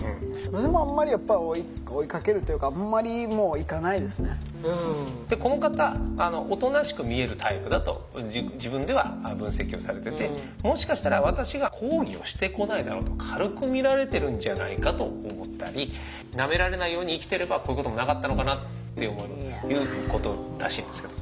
私もあんまりやっぱり追いかけるというかでこの方おとなしく見えるタイプだと自分では分析をされててもしかしたら私が「抗議をしてこないだろう」と軽くみられてるんじゃないかと思ったりなめられないように生きてればこういうこともなかったのかなっていう思いもということらしいんですけど。